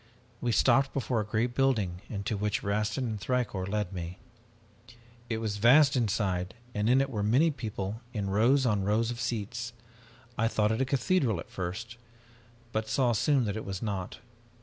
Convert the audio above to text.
We stopped before a great building into which Rastin and Thicourt led me. "It was vast inside and in it were many people in rows on rows of seats. I thought it a cathedral at first but saw soon that it was not.